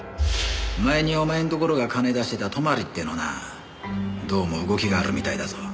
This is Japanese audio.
前にお前のところが金出してた泊ってのなどうも動きがあるみたいだぞ。